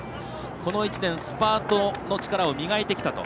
この１年スパートの力を磨いてきたと。